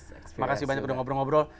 terima kasih banyak udah ngobrol ngobrol